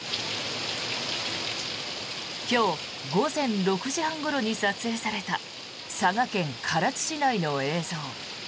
今日午前６時半ごろに撮影された佐賀県唐津市内の映像。